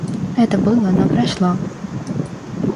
Это было, но прошло.